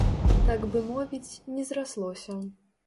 Так бы мовіць, не зраслося.